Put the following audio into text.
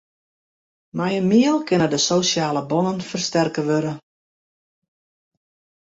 Mei in miel kinne de sosjale bannen fersterke wurde.